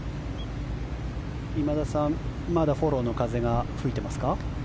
今田さん、まだフォローの風が吹いてますか？